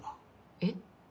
えっ？